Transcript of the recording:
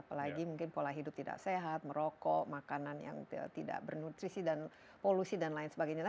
apalagi mungkin pola hidup tidak sehat merokok makanan yang tidak bernutrisi dan polusi dan lain sebagainya